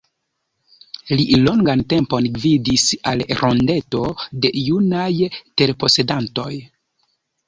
Li longan tempon gvidis al Rondeto de Junaj Terposedantoj.